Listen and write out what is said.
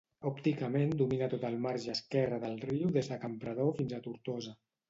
Òpticament domina també tot el marge esquerre del riu des de Campredó fins a Tortosa.